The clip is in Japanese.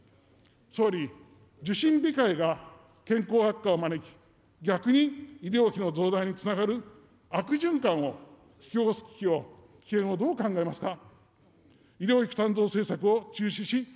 総理、受診控えが健康悪化を招き、逆に医療費の増大につながる悪循環を引き起こす危機を、危険をどう考えますか。